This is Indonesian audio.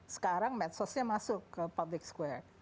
sekarang medsosnya masuk ke public square